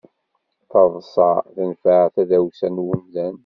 Taḍṣa tenfeɛ tadawsa n umdan.